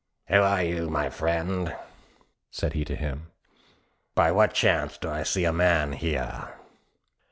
"Who are you, my friend?" said he to him. "By what chance do I see a man here?"